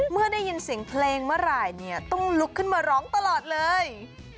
เมื่อได้ยินเสียงเพลงเมื่อไหร่เนี่ยต้องลุกขึ้นมาร้องตลอดเลย